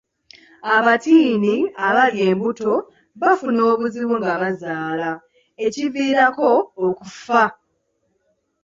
Abatiini abali embuto bafuna obuzibu nga bazaala ekibaviirako okufa.